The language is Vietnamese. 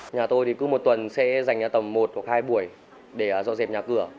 nhà tôi thì cứ một tuần sẽ dành tầm một hoặc hai buổi để dọn dẹp nhà cửa